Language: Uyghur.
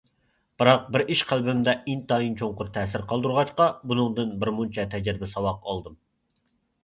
بىراق بىر ئىش قەلبىمدە ئىنتايىن چوڭقۇر تەسىر قالدۇرغاچقا بۇنىڭدىن بىرمۇنچە تەجرىبە- ساۋاق ئالدىم.